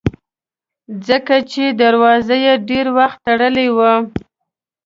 ځکه چې دروازې یې ډېر وخت تړلې وي.